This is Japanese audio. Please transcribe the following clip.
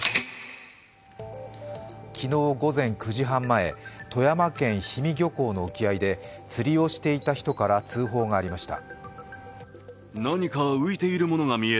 昨日午前９時半前、富山県氷見漁港の沖合で釣りをしていた人から通報がありました。